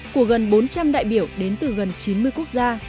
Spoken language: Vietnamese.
của gần bốn trăm linh đại biểu đến từ gần chín mươi quốc gia